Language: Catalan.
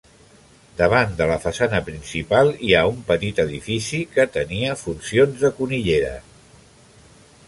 Davant de la façana principal, hi ha un petit edifici que tenia funcions de conillera.